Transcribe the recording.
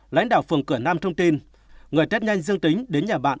lãnh đạo phường cửa nam thông tin người tết nhanh dương tính đến nhà bạn